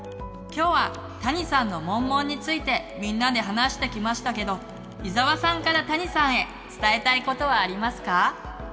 今日はたにさんのモンモンについてみんなで話してきましたけど伊沢さんからたにさんへ伝えたいことはありますか？